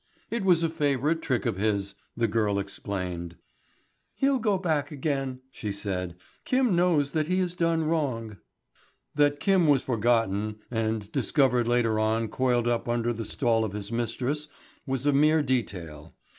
It was a favourite trick of his, the girl explained. "He'll go back again," she said. "Kim knows that he has done wrong." That Kim was forgotten and discovered later on coiled up under the stall of his mistress was a mere detail.